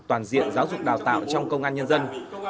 toàn diện giáo dục đào tạo trong công an nhân dân